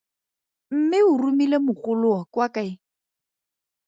Mme o romile mogoloo kwa kae?